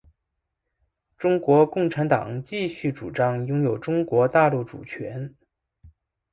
中国共产党持续主张拥有中国大陆主权。